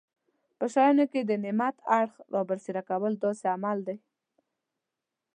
په شیانو کې د نعمت اړخ رابرسېره کول داسې عمل دی.